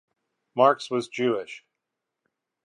Marks was Jewish.